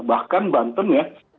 bahkan banten ya